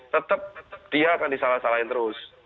tetap dia akan disalah salahin terus